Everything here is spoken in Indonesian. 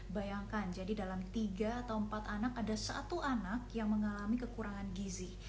bayangkan jadi dalam tiga atau empat anak ada satu anak yang mengalami kekurangan gizi